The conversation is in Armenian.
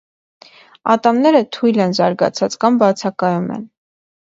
Ատամները թույլ են զարգացած կամ բացակայում են։